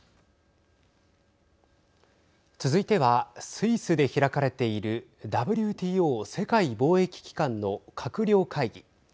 続いてはスイスで開かれているＷＴＯ＝世界貿易機関の閣僚会議。